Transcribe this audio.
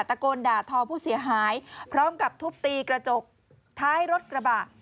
ตะโกนด่าทอผู้เสียหายพร้อมกับทุบตีกระจกท้ายรถกระบะ